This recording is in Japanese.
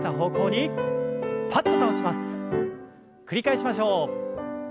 繰り返しましょう。